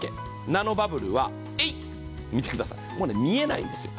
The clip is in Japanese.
ナノバブルは、見てください、もうね、見えないんですよ。